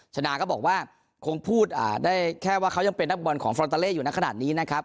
ชนะก็บอกว่าคงพูดได้แค่ว่าเขายังเป็นนักบอลของฟรอนตาเล่อยู่ในขณะนี้นะครับ